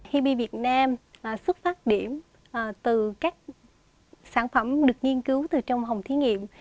hippie việt nam là xuất phát điểm từ các sản phẩm được nghiên cứu từ trong hồng thí nghiệm